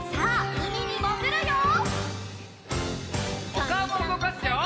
おかおもうごかすよ！